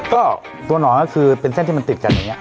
ก็ตัวหนอนก็คือเป็นเส้นที่มันติดกันอย่างนี้